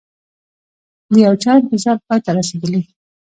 د یوچا انتظار پای ته رسیدلي